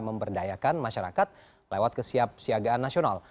memperdayakan masyarakat lewat kesiap siagaan nasional